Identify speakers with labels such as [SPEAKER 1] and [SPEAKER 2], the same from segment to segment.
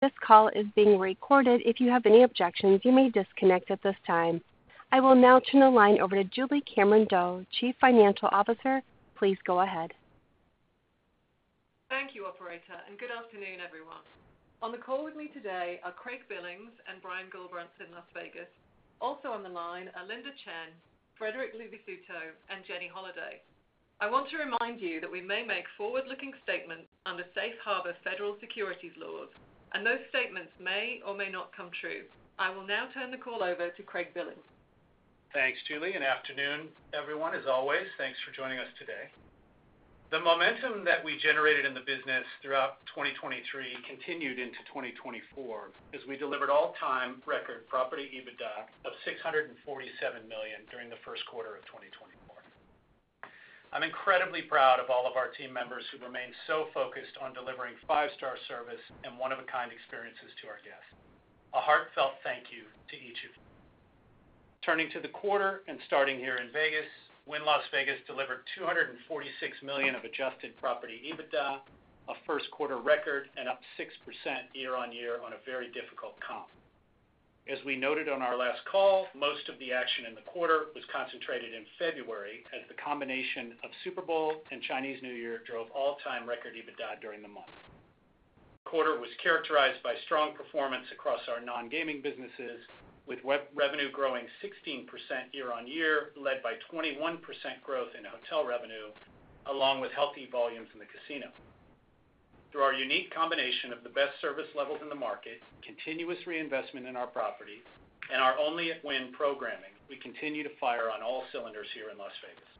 [SPEAKER 1] This call is being recorded. If you have any objections, you may disconnect at this time. I will now turn the line over to Julie Cameron-Doe, Chief Financial Officer. Please go ahead.
[SPEAKER 2] Thank you, Operator, and good afternoon, everyone. On the call with me today are Craig Billings and Brian Gullbrants in Las Vegas. Also on the line are Linda Chen, Frederic Luvisutto, and Jenny Holaday. I want to remind you that we may make forward-looking statements under Safe Harbor Federal Securities laws, and those statements may or may not come true. I will now turn the call over to Craig Billings.
[SPEAKER 3] Thanks, Julie. Good afternoon, everyone, as always. Thanks for joining us today. The momentum that we generated in the business throughout 2023 continued into 2024 as we delivered all-time record property EBITDA of $647 million during the first quarter of 2024. I'm incredibly proud of all of our team members who remain so focused on delivering five-star service and one-of-a-kind experiences to our guests. A heartfelt thank you to each of you. Turning to the quarter and starting here in Vegas, Wynn Las Vegas delivered $246 million of adjusted property EBITDA, a first-quarter record, and up 6% year-over-year on a very difficult comp. As we noted on our last call, most of the action in the quarter was concentrated in February as the combination of Super Bowl and Chinese New Year drove all-time record EBITDA during the month. The quarter was characterized by strong performance across our non-gaming businesses, with revenue growing 16% year-over-year, led by 21% growth in hotel revenue, along with healthy volumes in the casino. Through our unique combination of the best service levels in the market, continuous reinvestment in our property, and our only-at-Wynn programming, we continue to fire on all cylinders here in Las Vegas.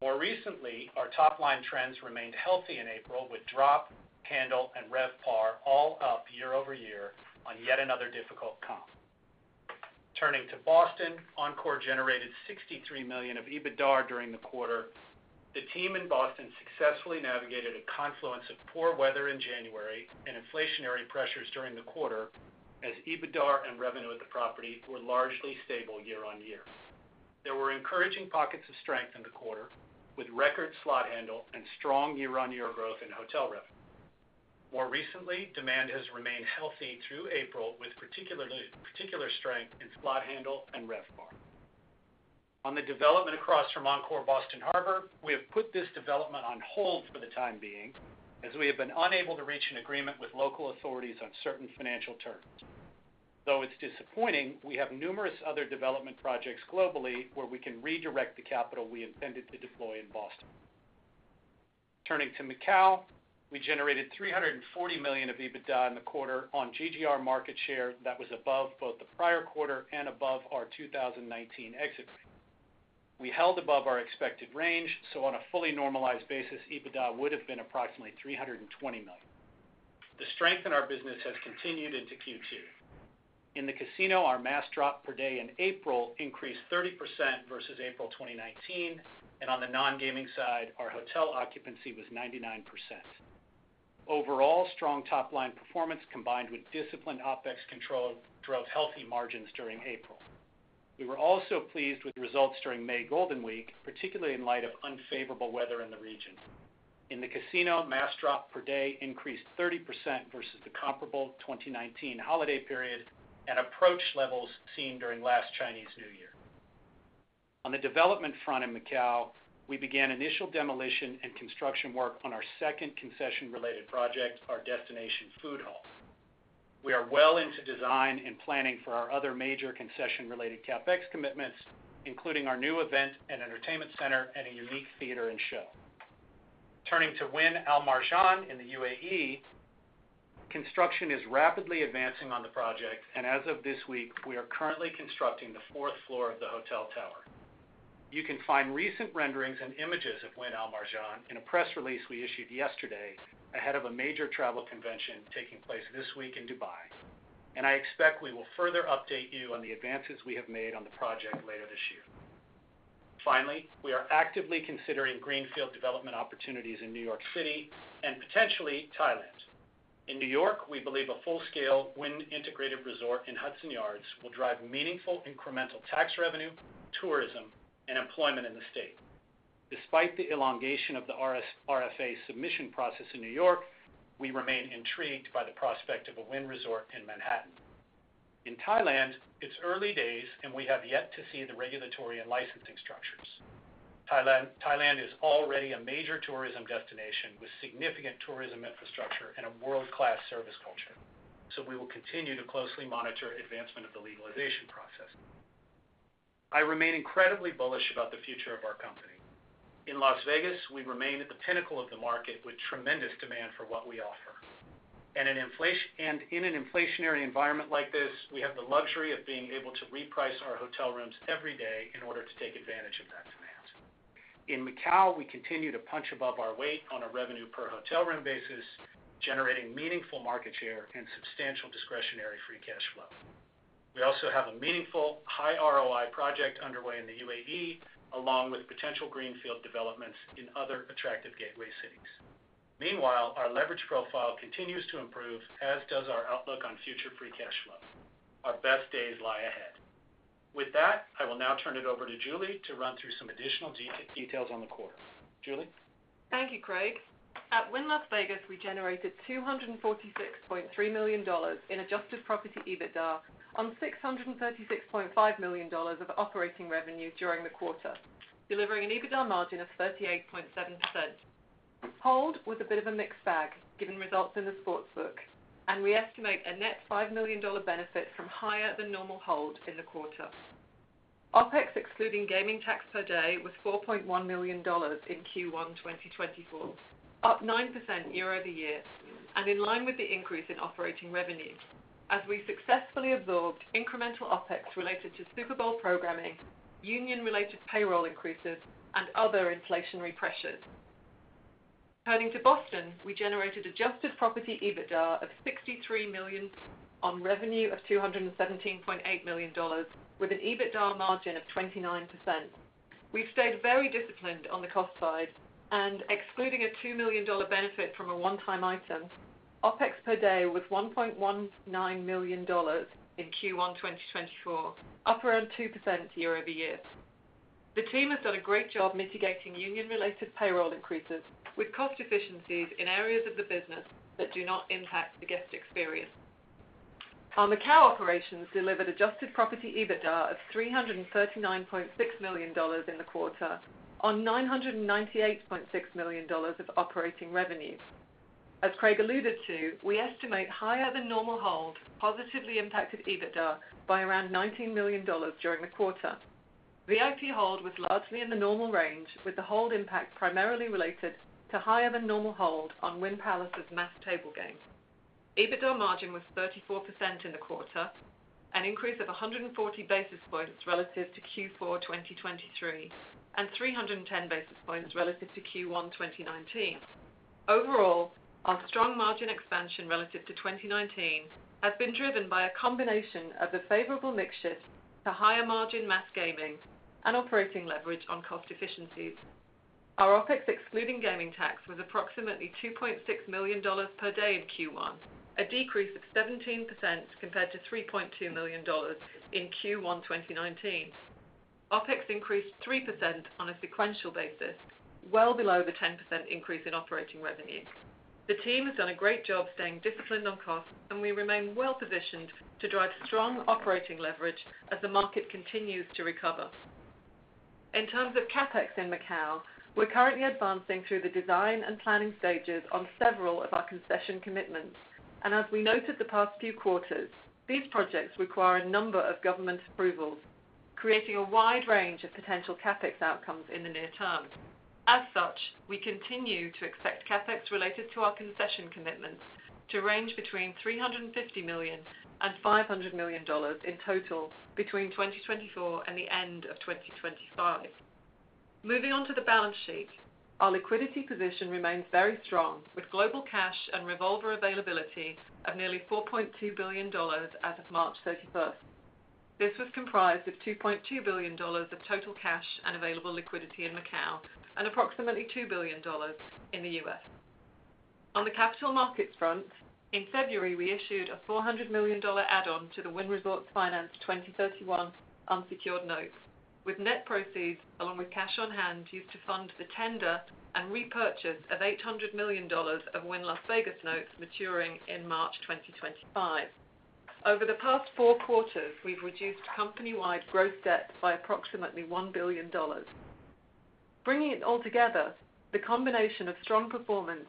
[SPEAKER 3] More recently, our top-line trends remained healthy in April, with drop, handle, and RevPAR all up year-over-year on yet another difficult comp. Turning to Boston, Encore generated $63 million of EBITDA during the quarter. The team in Boston successfully navigated a confluence of poor weather in January and inflationary pressures during the quarter as EBITDA and revenue at the property were largely stable year-over-year. There were encouraging pockets of strength in the quarter, with record slot handle and strong year-on-year growth in hotel revenue. More recently, demand has remained healthy through April, with particular strength in slot handle and RevPAR. On the development across from Encore Boston Harbor, we have put this development on hold for the time being as we have been unable to reach an agreement with local authorities on certain financial terms. Though it's disappointing, we have numerous other development projects globally where we can redirect the capital we intended to deploy in Boston. Turning to Macau, we generated $340 million of EBITDA in the quarter on GGR market share that was above both the prior quarter and above our 2019 exit rate. We held above our expected range, so on a fully normalized basis, EBITDA would have been approximately $320 million. The strength in our business has continued into Q2. In the casino, our mass drop per day in April increased 30% versus April 2019, and on the non-gaming side, our hotel occupancy was 99%. Overall, strong top-line performance combined with disciplined OpEx control drove healthy margins during April. We were also pleased with results during May Golden Week, particularly in light of unfavorable weather in the region. In the casino, mass drop per day increased 30% versus the comparable 2019 holiday period and approached levels seen during last Chinese New Year. On the development front in Macau, we began initial demolition and construction work on our second concession-related project, our destination food hall. We are well into design and planning for our other major concession-related CapEx commitments, including our new event and entertainment center and a unique theater and show. Turning to Wynn Al Marjan in the UAE, construction is rapidly advancing on the project, and as of this week, we are currently constructing the fourth floor of the hotel tower. You can find recent renderings and images of Wynn Al Marjan in a press release we issued yesterday ahead of a major travel convention taking place this week in Dubai, and I expect we will further update you on the advances we have made on the project later this year. Finally, we are actively considering greenfield development opportunities in New York City and potentially Thailand. In New York, we believe a full-scale Wynn Integrated Resort in Hudson Yards will drive meaningful incremental tax revenue, tourism, and employment in the state. Despite the elongation of the RFA submission process in New York, we remain intrigued by the prospect of a Wynn Resort in Manhattan. In Thailand, it's early days, and we have yet to see the regulatory and licensing structures. Thailand is already a major tourism destination with significant tourism infrastructure and a world-class service culture, so we will continue to closely monitor advancement of the legalization process. I remain incredibly bullish about the future of our company. In Las Vegas, we remain at the pinnacle of the market with tremendous demand for what we offer. In an inflationary environment like this, we have the luxury of being able to reprice our hotel rooms every day in order to take advantage of that demand. In Macau, we continue to punch above our weight on a revenue-per-hotel room basis, generating meaningful market share and substantial discretionary free cash flow. We also have a meaningful, high-ROI project underway in the UAE, along with potential greenfield developments in other attractive gateway cities. Meanwhile, our leverage profile continues to improve, as does our outlook on future free cash flow. Our best days lie ahead. With that, I will now turn it over to Julie to run through some additional details on the quarter. Julie?
[SPEAKER 2] Thank you, Craig. At Wynn Las Vegas, we generated $246.3 million in adjusted property EBITDA on $636.5 million of operating revenue during the quarter, delivering an EBITDA margin of 38.7%. Hold was a bit of a mixed bag, given results in the sports book, and we estimate a net $5 million benefit from higher-than-normal hold in the quarter. OpEx excluding gaming tax per day was $4.1 million in Q1 2024, up 9% year-over-year, and in line with the increase in operating revenue as we successfully absorbed incremental OpEx related to Super Bowl programming, union-related payroll increases, and other inflationary pressures. Turning to Boston, we generated adjusted property EBITDA of $63 million on revenue of $217.8 million, with an EBITDA margin of 29%. We've stayed very disciplined on the cost side, and excluding a $2 million benefit from a one-time item, OpEx per day was $1.19 million in Q1 2024, up around 2% year-over-year. The team has done a great job mitigating union-related payroll increases with cost efficiencies in areas of the business that do not impact the guest experience. Our Macau operations delivered adjusted property EBITDA of $339.6 million in the quarter on $998.6 million of operating revenue. As Craig alluded to, we estimate higher-than-normal hold positively impacted EBITDA by around $19 million during the quarter. VIP hold was largely in the normal range, with the hold impact primarily related to higher-than-normal hold on Wynn Palace's mass table game. EBITDA margin was 34% in the quarter, an increase of 140 basis points relative to Q4 2023 and 310 basis points relative to Q1 2019. Overall, our strong margin expansion relative to 2019 has been driven by a combination of a favorable mix shift to higher-margin mass gaming and operating leverage on cost efficiencies. Our OpEx excluding gaming tax was approximately $2.6 million per day in Q1, a decrease of 17% compared to $3.2 million in Q1 2019. OpEx increased 3% on a sequential basis, well below the 10% increase in operating revenue. The team has done a great job staying disciplined on costs, and we remain well-positioned to drive strong operating leverage as the market continues to recover. In terms of CapEx in Macau, we're currently advancing through the design and planning stages on several of our concession commitments, and as we noted the past few quarters, these projects require a number of government approvals, creating a wide range of potential CapEx outcomes in the near term. As such, we continue to expect CapEx related to our concession commitments to range between $350 million-$500 million in total between 2024 and the end of 2025. Moving on to the balance sheet, our liquidity position remains very strong, with global cash and revolver availability of nearly $4.2 billion as of March 31st. This was comprised of $2.2 billion of total cash and available liquidity in Macau and approximately $2 billion in the U.S.. On the capital markets front, in February, we issued a $400 million add-on to the Wynn Resorts Finance 2031 unsecured notes, with net proceeds along with cash on hand used to fund the tender and repurchase of $800 million of Wynn Las Vegas notes maturing in March 2025. Over the past four quarters, we've reduced company-wide gross debt by approximately $1 billion. Bringing it all together, the combination of strong performance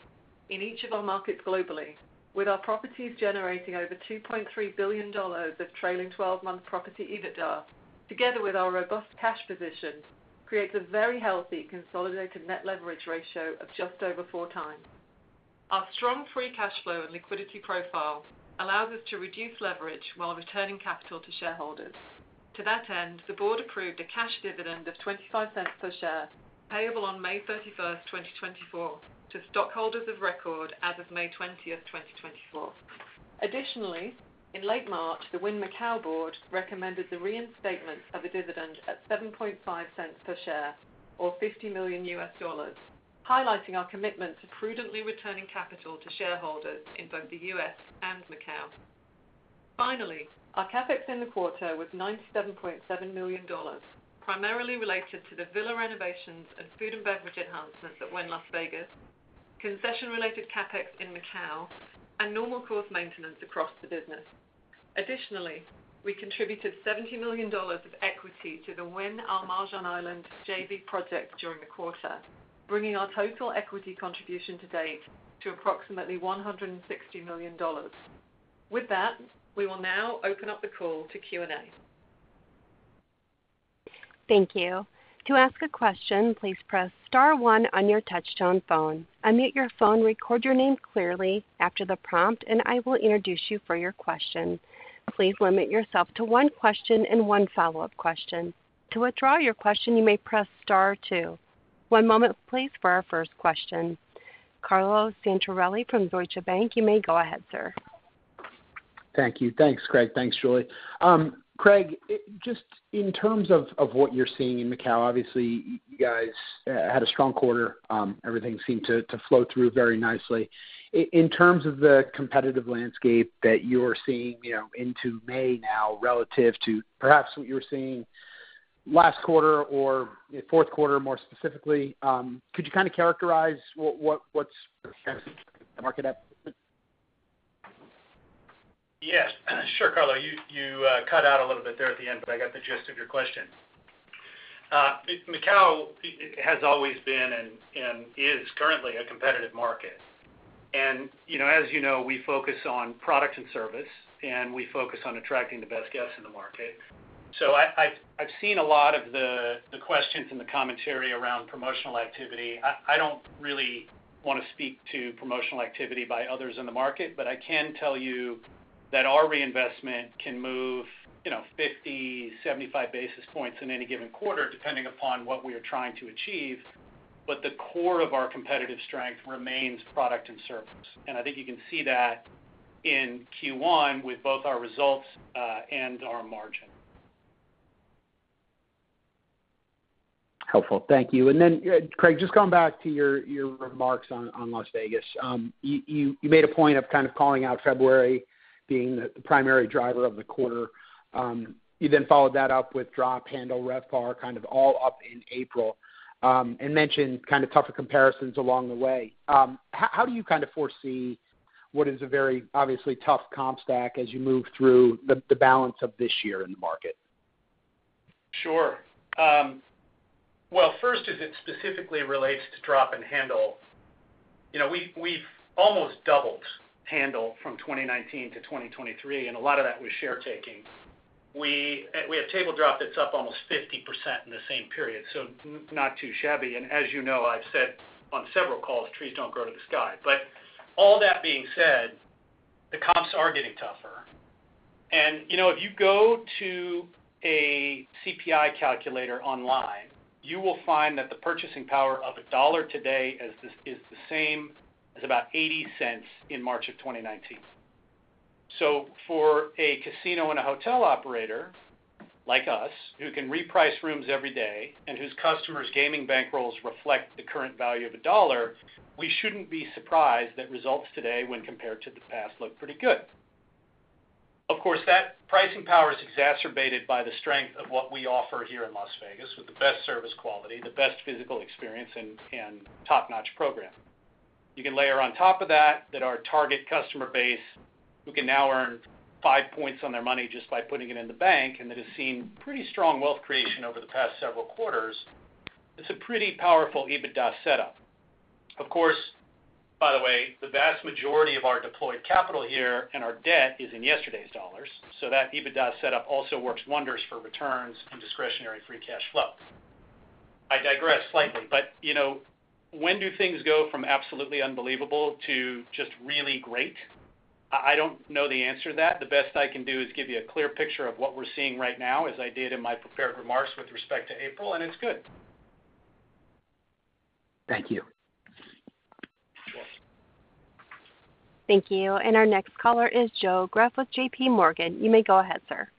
[SPEAKER 2] in each of our markets globally, with our properties generating over $2.3 billion of trailing 12-month property EBITDA together with our robust cash position, creates a very healthy consolidated net leverage ratio of just over four times. Our strong free cash flow and liquidity profile allows us to reduce leverage while returning capital to shareholders. To that end, the board approved a cash dividend of $0.25 per share payable on May 31st, 2024, to stockholders of record as of May 20th, 2024. Additionally, in late March, the Wynn Macau board recommended the reinstatement of a dividend at $0.075 per share, or $50 million U.S. dollars, highlighting our commitment to prudently returning capital to shareholders in both the US and Macau. Finally, our CapEx in the quarter was $97.7 million, primarily related to the villa renovations and food and beverage enhancements at Wynn Las Vegas, concession-related CapEx in Macau, and normal course maintenance across the business. Additionally, we contributed $70 million of equity to the Wynn Al Marjan Island JV project during the quarter, bringing our total equity contribution to date to approximately $160 million. With that, we will now open up the call to Q&A.
[SPEAKER 1] Thank you. To ask a question, please press star one on your touchscreen phone. Unmute your phone, record your name clearly after the prompt, and I will introduce you for your question. Please limit yourself to one question and one follow-up question. To withdraw your question, you may press star two. One moment, please, for our first question. Carlo Santarelli from Deutsche Bank, you may go ahead, sir.
[SPEAKER 4] Thank you. Thanks, Craig. Thanks, Julie. Craig, just in terms of what you're seeing in Macau, obviously, you guys had a strong quarter. Everything seemed to flow through very nicely. In terms of the competitive landscape that you're seeing into May now relative to perhaps what you were seeing last quarter or fourth quarter more specifically, could you kind of characterize what's the market up?
[SPEAKER 3] Yes. Sure, Carlo. You cut out a little bit there at the end, but I got the gist of your question. Macau has always been and is currently a competitive market. And as you know, we focus on product and service, and we focus on attracting the best guests in the market. So I've seen a lot of the questions and the commentary around promotional activity. I don't really want to speak to promotional activity by others in the market, but I can tell you that our reinvestment can move 50, 75 basis points in any given quarter depending upon what we are trying to achieve. But the core of our competitive strength remains product and service. And I think you can see that in Q1 with both our results and our margin.
[SPEAKER 4] Helpful. Thank you. And then, Craig, just going back to your remarks on Las Vegas, you made a point of kind of calling out February being the primary driver of the quarter. You then followed that up with drop, handle, RevPAR, kind of all up in April, and mentioned kind of tougher comparisons along the way. How do you kind of foresee what is a very, obviously, tough comp stack as you move through the balance of this year in the market?
[SPEAKER 3] Sure. Well, first, as it specifically relates to drop and handle, we've almost doubled handle from 2019 to 2023, and a lot of that was share-taking. We have table drop that's up almost 50% in the same period, so not too shabby. And as you know, I've said on several calls, trees don't grow to the sky. But all that being said, the comps are getting tougher. And if you go to a CPI calculator online, you will find that the purchasing power of the U.S. dollar today is the same as about 80 cents in March of 2019. So for a casino and a hotel operator like us who can reprice rooms every day and whose customers' gaming bankrolls reflect the current value of the U.S. dollar, we shouldn't be surprised that results today, when compared to the past, look pretty good. Of course, that pricing power is exacerbated by the strength of what we offer here in Las Vegas with the best service quality, the best physical experience, and top-notch program. You can layer on top of that that our target customer base, who can now earn five points on their money just by putting it in the bank and that has seen pretty strong wealth creation over the past several quarters, it's a pretty powerful EBITDA setup. Of course, by the way, the vast majority of our deployed capital here and our debt is in yesterday's dollars, so that EBITDA setup also works wonders for returns and discretionary free cash flow. I digress slightly, but when do things go from absolutely unbelievable to just really great? I don't know the answer to that. The best I can do is give you a clear picture of what we're seeing right now as I did in my prepared remarks with respect to April, and it's good.
[SPEAKER 4] Thank you.
[SPEAKER 1] Thank you. Our next caller is Joe Greff with J.P. Morgan. You may go ahead, sir.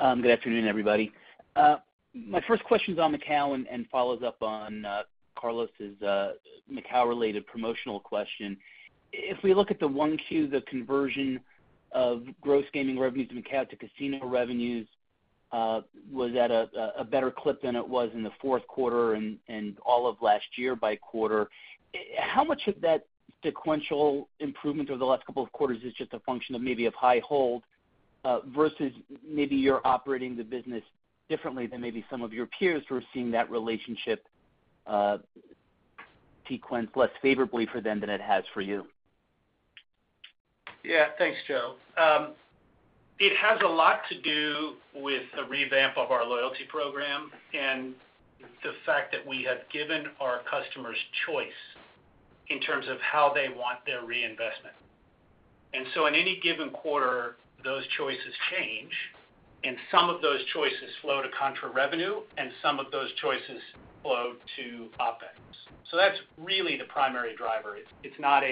[SPEAKER 5] Good afternoon, everybody. My first question is on Macau and follows up on Carlo's Macau-related promotional question. If we look at the 1Q, the conversion of gross gaming revenues in Macau to casino revenues, was that a better clip than it was in the fourth quarter and all of last year by quarter? How much of that sequential improvement over the last couple of quarters is just a function of maybe of high hold versus maybe you're operating the business differently than maybe some of your peers who are seeing that relationship sequence less favorably for them than it has for you?
[SPEAKER 3] Yeah. Thanks, Joe. It has a lot to do with the revamp of our loyalty program and the fact that we have given our customers choice in terms of how they want their reinvestment. And so in any given quarter, those choices change, and some of those choices flow to contra-revenue, and some of those choices flow to OpEx. So that's really the primary driver. It's not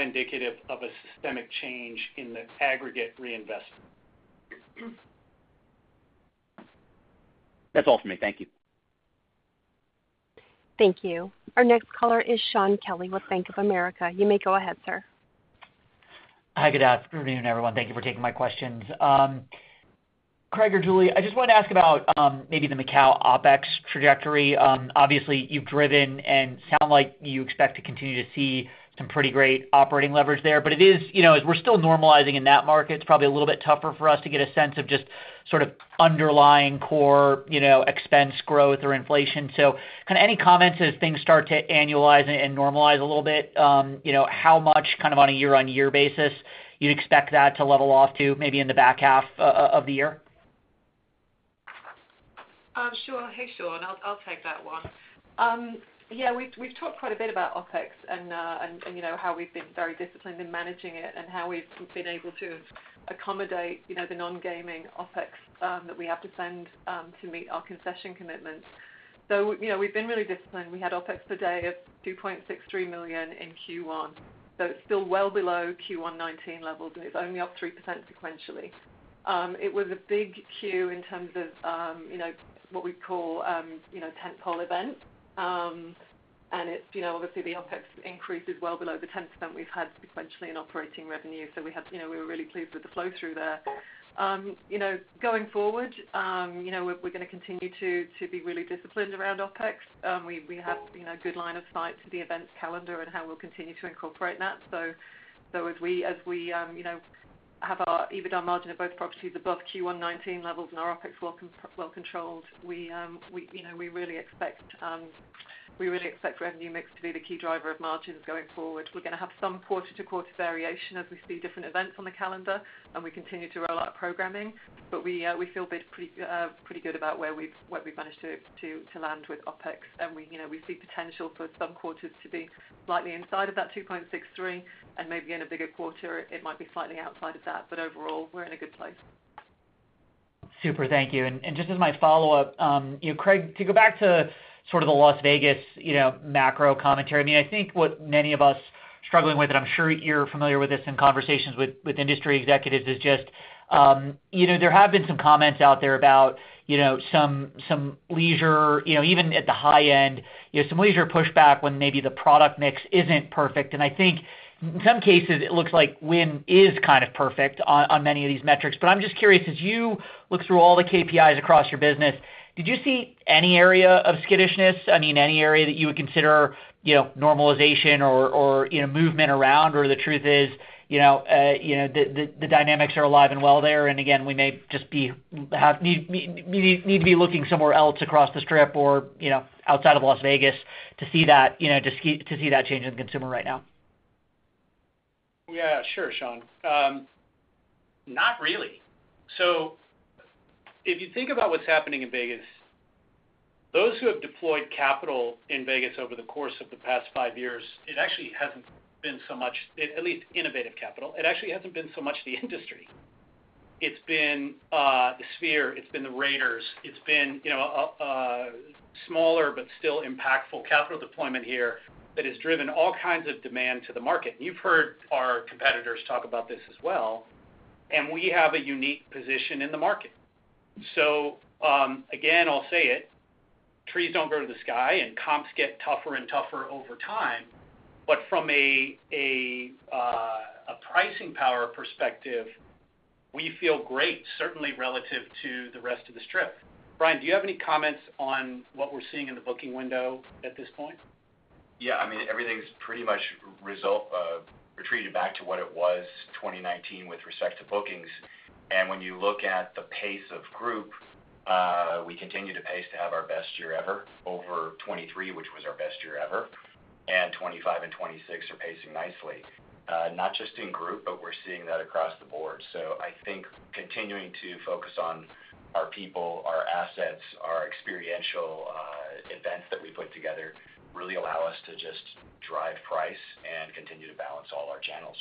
[SPEAKER 3] indicative of a systemic change in the aggregate reinvestment.
[SPEAKER 5] That's all from me. Thank you.
[SPEAKER 1] Thank you. Our next caller is Shaun Kelley with Bank of America. You may go ahead, sir.
[SPEAKER 6] Hi, good afternoon, everyone. Thank you for taking my questions. Craig or Julie, I just wanted to ask about maybe the Macau OpEx trajectory. Obviously, you've driven and sound like you expect to continue to see some pretty great operating leverage there. But it is, as we're still normalizing in that market, it's probably a little bit tougher for us to get a sense of just sort of underlying core expense growth or inflation. So kind of any comments as things start to annualize and normalize a little bit, how much kind of on a year-on-year basis you'd expect that to level off to maybe in the back half of the year?
[SPEAKER 2] Sure. Hey, Shaun. I'll take that one. Yeah, we've talked quite a bit about OpEx and how we've been very disciplined in managing it and how we've been able to accommodate the non-gaming OpEx that we have to send to meet our concession commitments. So we've been really disciplined. We had OpEx today of $2.63 million in Q1. So it's still well below Q1 2019 levels, and it's only up 3% sequentially. It was a big Q in terms of what we call tentpole events. And obviously, the OpEx increase is well below the 10% we've had sequentially in operating revenue. So we were really pleased with the flow-through there. Going forward, we're going to continue to be really disciplined around OpEx. We have a good line of sight to the events calendar and how we'll continue to incorporate that. So as we have our EBITDA margin at both properties above Q1 2019 levels and our OpEx well controlled, we really expect revenue mix to be the key driver of margins going forward. We're going to have some quarter-to-quarter variation as we see different events on the calendar, and we continue to roll out programming. But we feel pretty good about where we've managed to land with OpEx. And we see potential for some quarters to be slightly inside of that 2.63, and maybe in a bigger quarter, it might be slightly outside of that. But overall, we're in a good place.
[SPEAKER 6] Super. Thank you. And just as my follow-up, Craig, to go back to sort of the Las Vegas macro commentary, I mean, I think what many of us struggling with, and I'm sure you're familiar with this in conversations with industry executives, is just there have been some comments out there about some leisure, even at the high end, some leisure pushback when maybe the product mix isn't perfect. And I think in some cases, it looks like Wynn is kind of perfect on many of these metrics. But I'm just curious, as you look through all the KPIs across your business, did you see any area of skittishness? I mean, any area that you would consider normalization or movement around where the truth is the dynamics are alive and well there? And again, we may just need to be looking somewhere else across the strip or outside of Las Vegas to see that change in the consumer right now.
[SPEAKER 3] Yeah. Sure, Shaun. Not really. So if you think about what's happening in Vegas, those who have deployed capital in Vegas over the course of the past 5 years, it actually hasn't been so much, at least, innovative capital. It actually hasn't been so much the industry. It's been the Sphere. It's been the Raiders. It's been a smaller but still impactful capital deployment here that has driven all kinds of demand to the market. And you've heard our competitors talk about this as well. And we have a unique position in the market. So again, I'll say it. Trees don't grow to the sky, and comps get tougher and tougher over time. But from a pricing power perspective, we feel great, certainly relative to the rest of the strip. Brian, do you have any comments on what we're seeing in the booking window at this point?
[SPEAKER 7] Yeah. I mean, everything's pretty much retreated back to what it was 2019 with respect to bookings. And when you look at the pace of group, we continue to pace to have our best year ever over 2023, which was our best year ever. And 2025 and 2026 are pacing nicely, not just in group, but we're seeing that across the board. So I think continuing to focus on our people, our assets, our experiential events that we put together really allow us to just drive price and continue to balance all our channels.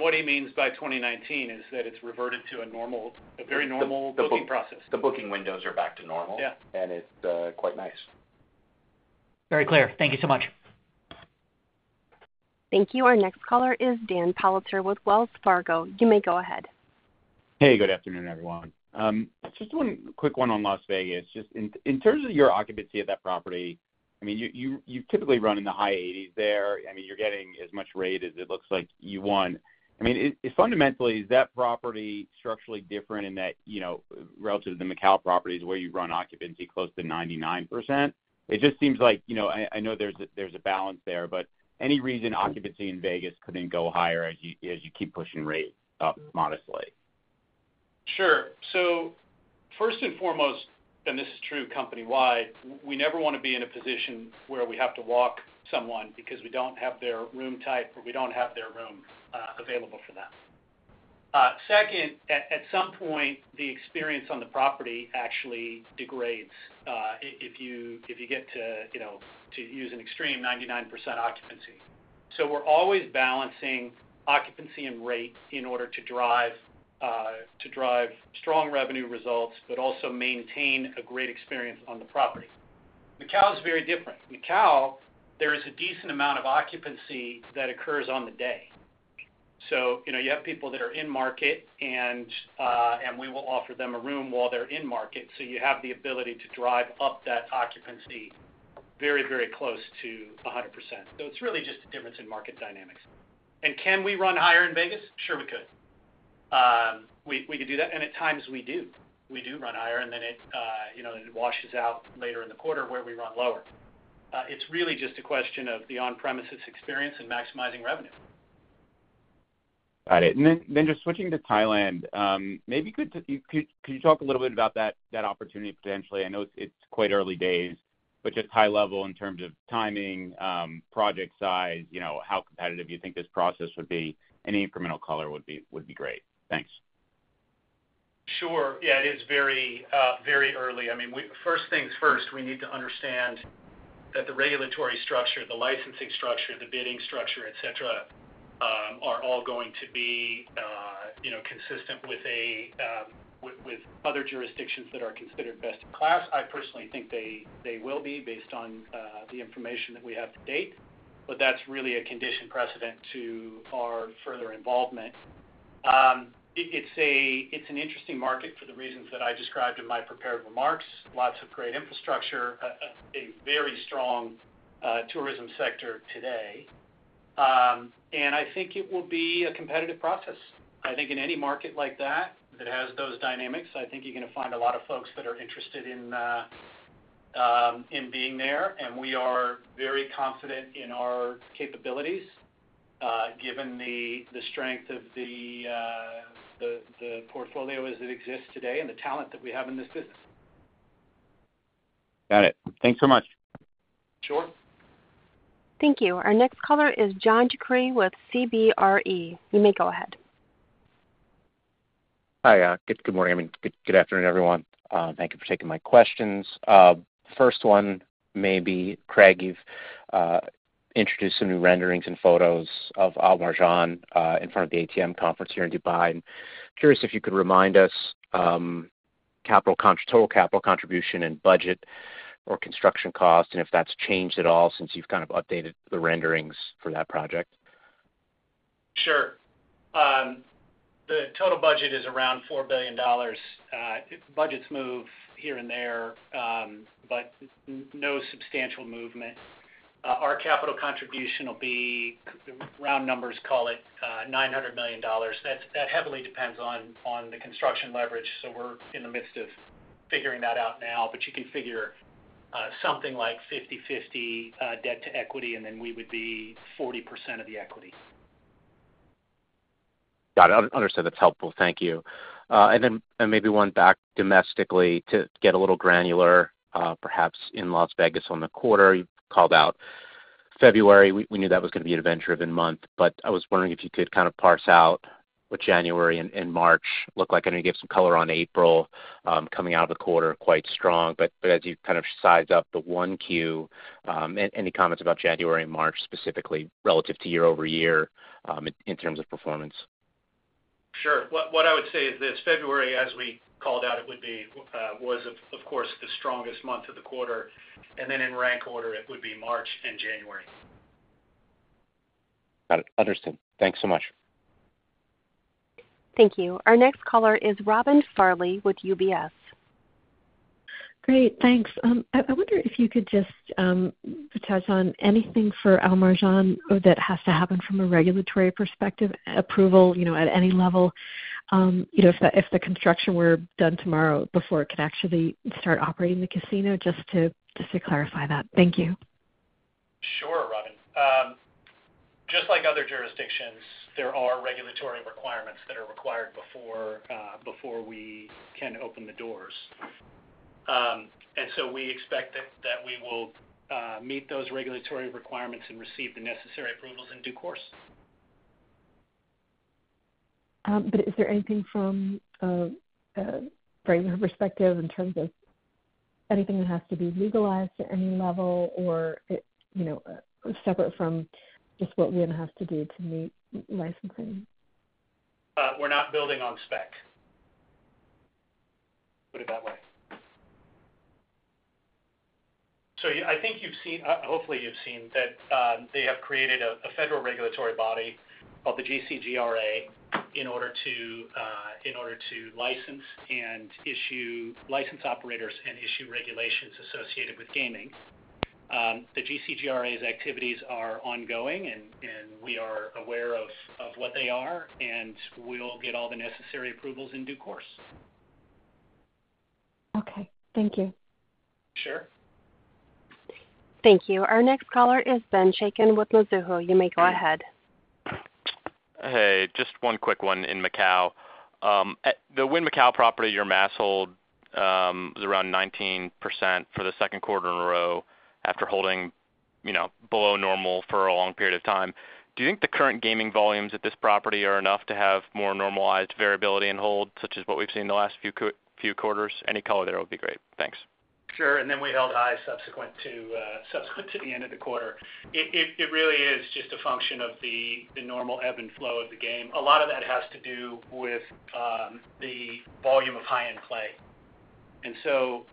[SPEAKER 3] What he means by 2019 is that it's reverted to a very normal booking process.
[SPEAKER 7] The booking windows are back to normal, and it's quite nice.
[SPEAKER 6] Very clear. Thank you so much.
[SPEAKER 1] Thank you. Our next caller is Dan Politzer with Wells Fargo. You may go ahead.
[SPEAKER 8] Hey. Good afternoon, everyone. Just one quick one on Las Vegas. Just in terms of your occupancy at that property, I mean, you've typically run in the high 80s there. I mean, you're getting as much rate as it looks like you want. I mean, fundamentally, is that property structurally different in that relative to the Macau properties where you run occupancy close to 99%? It just seems like I know there's a balance there, but any reason occupancy in Vegas couldn't go higher as you keep pushing rate up modestly?
[SPEAKER 3] Sure. So first and foremost, and this is true company-wide, we never want to be in a position where we have to walk someone because we don't have their room type or we don't have their room available for them. Second, at some point, the experience on the property actually degrades if you get to use an extreme 99% occupancy. So we're always balancing occupancy and rate in order to drive strong revenue results but also maintain a great experience on the property. Macau is very different. Macau, there is a decent amount of occupancy that occurs on the day. So you have people that are in market, and we will offer them a room while they're in market. So you have the ability to drive up that occupancy very, very close to 100%. So it's really just a difference in market dynamics. And can we run higher in Vegas? Sure, we could. We could do that. At times, we do. We do run higher, and then it washes out later in the quarter where we run lower. It's really just a question of the on-premises experience and maximizing revenue.
[SPEAKER 8] Got it. And then just switching to Thailand, maybe could you talk a little bit about that opportunity, potentially? I know it's quite early days, but just high-level in terms of timing, project size, how competitive you think this process would be, any incremental color would be great. Thanks.
[SPEAKER 3] Sure. Yeah, it is very, very early. I mean, first things first, we need to understand that the regulatory structure, the licensing structure, the bidding structure, etc., are all going to be consistent with other jurisdictions that are considered best in class. I personally think they will be based on the information that we have to date. But that's really a condition precedent to our further involvement. It's an interesting market for the reasons that I described in my prepared remarks. Lots of great infrastructure, a very strong tourism sector today. And I think it will be a competitive process. I think in any market like that that has those dynamics, I think you're going to find a lot of folks that are interested in being there. We are very confident in our capabilities given the strength of the portfolio as it exists today and the talent that we have in this business.
[SPEAKER 8] Got it. Thanks so much.
[SPEAKER 3] Sure.
[SPEAKER 1] Thank you. Our next caller is John DeCree with CBRE. You may go ahead.
[SPEAKER 9] Hi. Good morning. I mean, good afternoon, everyone. Thank you for taking my questions. First one, maybe Craig, you've introduced some new renderings and photos of Al Marjan in front of the ATM conference here in Dubai. I'm curious if you could remind us total capital contribution and budget or construction cost and if that's changed at all since you've kind of updated the renderings for that project.
[SPEAKER 3] Sure. The total budget is around $4 billion. Budgets move here and there, but no substantial movement. Our capital contribution will be round numbers call it $900 million. That heavily depends on the construction leverage. So we're in the midst of figuring that out now. But you can figure something like 50/50 debt to equity, and then we would be 40% of the equity.
[SPEAKER 9] Got it. Understood. That's helpful. Thank you. And then maybe one back domestically to get a little granular, perhaps in Las Vegas on the quarter. You called out February. We knew that was going to be an adventure-driven month. But I was wondering if you could kind of parse out what January and March look like. I know you gave some color on April coming out of the quarter, quite strong. But as you kind of size up the 1Q, any comments about January and March specifically relative to year-over-year in terms of performance?
[SPEAKER 3] Sure. What I would say is this. February, as we called out, it was, of course, the strongest month of the quarter. And then in rank order, it would be March and January.
[SPEAKER 9] Got it. Understood. Thanks so much.
[SPEAKER 1] Thank you. Our next caller is Robin Farley with UBS.
[SPEAKER 10] Great. Thanks. I wonder if you could just touch on anything for Al Marjan that has to happen from a regulatory perspective, approval at any level, if the construction were done tomorrow before it could actually start operating the casino, just to clarify that. Thank you.
[SPEAKER 3] Sure, Robin. Just like other jurisdictions, there are regulatory requirements that are required before we can open the doors. And so we expect that we will meet those regulatory requirements and receive the necessary approvals in due course.
[SPEAKER 10] Is there anything from a framework perspective in terms of anything that has to be legalized at any level or separate from just what Wynn has to do to meet licensing?
[SPEAKER 3] We're not building on spec. Put it that way. So I think you've seen hopefully, you've seen that they have created a federal regulatory body called the GCGRA in order to license and issue license operators and issue regulations associated with gaming. The GCGRA's activities are ongoing, and we are aware of what they are. We'll get all the necessary approvals in due course.
[SPEAKER 10] Okay. Thank you.
[SPEAKER 3] Sure.
[SPEAKER 1] Thank you. Our next caller is Ben Chaiken with Lazard. You may go ahead.
[SPEAKER 11] Hey. Just one quick one in Macau. The Wynn Macau property, your mass hold was around 19% for the second quarter in a row after holding below normal for a long period of time. Do you think the current gaming volumes at this property are enough to have more normalized variability in hold, such as what we've seen the last few quarters? Any color there would be great. Thanks.
[SPEAKER 3] Sure. And then we held high subsequent to the end of the quarter. It really is just a function of the normal ebb and flow of the game. A lot of that has to do with the volume of high-end play. And so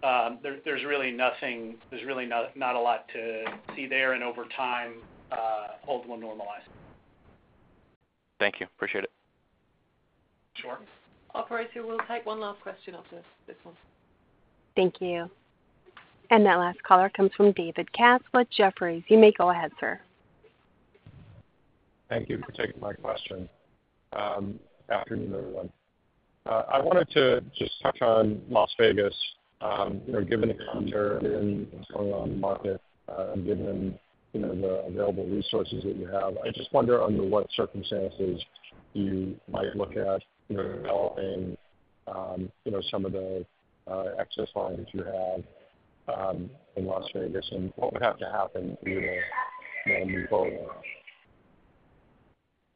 [SPEAKER 3] there's really not a lot to see there. And over time, holds will normalize.
[SPEAKER 11] Thank you. Appreciate it.
[SPEAKER 3] Sure.
[SPEAKER 2] Operator, we'll take one last question after this one.
[SPEAKER 1] Thank you. That last caller comes from David Katz, Jefferies. You may go ahead, sir.
[SPEAKER 12] Thank you for taking my question. Afternoon, everyone. I wanted to just touch on Las Vegas. Given the contour and what's going on in the market and given the available resources that you have, I just wonder under what circumstances you might look at developing some of the excess farms that you have in Las Vegas and what would have to happen for you to move forward.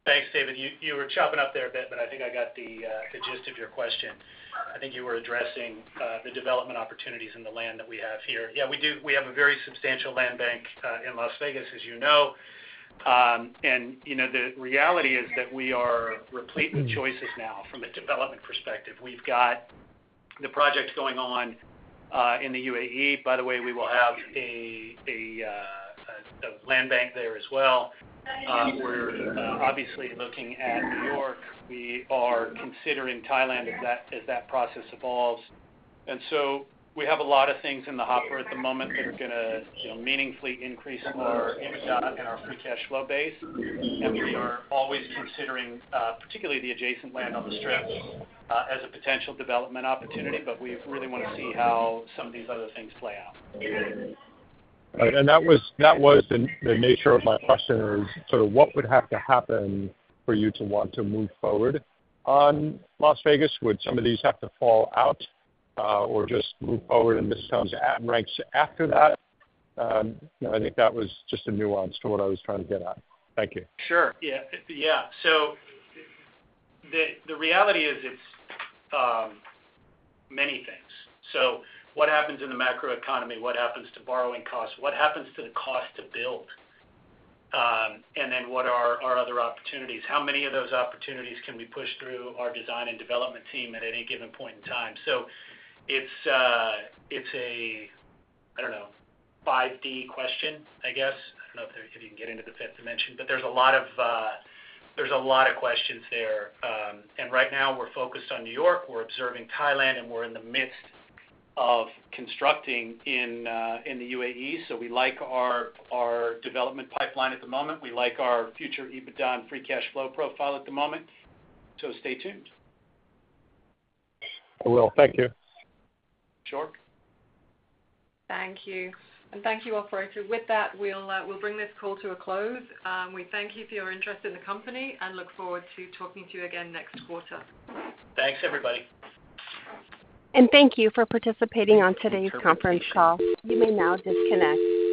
[SPEAKER 3] Thanks, David. You were chopping up there a bit, but I think I got the gist of your question. I think you were addressing the development opportunities in the land that we have here. Yeah, we have a very substantial land bank in Las Vegas, as you know. And the reality is that we are replete with choices now from a development perspective. We've got the project going on in the UAE. By the way, we will have a land bank there as well. We're obviously looking at New York. We are considering Thailand as that process evolves. And so we have a lot of things in the hopper at the moment that are going to meaningfully increase our EBITDA and our free cash flow base. And we are always considering, particularly the adjacent land on the strip, as a potential development opportunity. But we really want to see how some of these other things play out.
[SPEAKER 12] All right. That was the nature of my question, is sort of what would have to happen for you to want to move forward on Las Vegas? Would some of these have to fall out or just move forward, and this comes at RAK after that? I think that was just a nuance to what I was trying to get at. Thank you.
[SPEAKER 3] Sure. Yeah. So the reality is it's many things. So what happens in the macroeconomy? What happens to borrowing costs? What happens to the cost to build? And then what are our other opportunities? How many of those opportunities can we push through our design and development team at any given point in time? So it's a, I don't know, 5D question, I guess. I don't know if you can get into the fifth dimension, but there's a lot of questions there. And right now, we're focused on New York. We're observing Thailand, and we're in the midst of constructing in the UAE. So we like our development pipeline at the moment. We like our future EBITDA and free cash flow profile at the moment. So stay tuned.
[SPEAKER 12] I will. Thank you.
[SPEAKER 3] Sure.
[SPEAKER 2] Thank you. Thank you, Operator. With that, we'll bring this call to a close. We thank you for your interest in the company and look forward to talking to you again next quarter.
[SPEAKER 3] Thanks, everybody.
[SPEAKER 1] Thank you for participating on today's conference call. You may now disconnect.